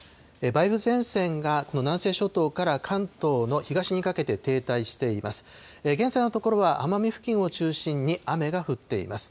梅雨前線がこの南西諸島から関東の東にかけて停滞しています。